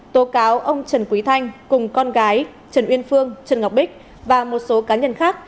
tố cáo ông trần quý thanh cùng con gái trần uyên phương trần ngọc bích và một số cá nhân khác